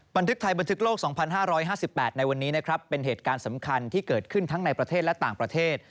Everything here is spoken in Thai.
บันทึกไทยบันทึกโลก๒๕๕๘ในวันนี้นะครับเป็นเหตุการณ์สำคัญที่เกิดขึ้นทั้งในประเทศและต่างประเทศ